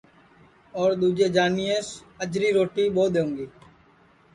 اور دؔوجے جانیئس اجری روٹی ٻو دؔونگی